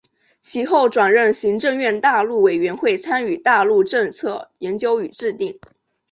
其后转任行政院大陆委员会参与大陆政策研究与制定。